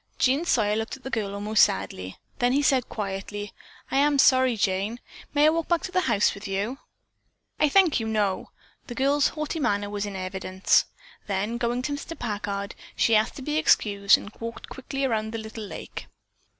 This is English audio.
Jean Sawyer looked at the girl almost sadly. Then he said quietly, "I am sorry, Jane. May I walk back to the house with you?" "I thank you, no!" The girl's haughty manner was in evidence. Then going to Mr. Packard, she asked to be excused and walked quickly around the little lake.